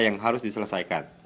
yang harus diselesaikan